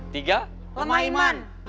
tiga lemah iman